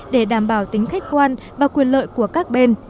để đảm bảo tính khách quan và quyền lợi của các bên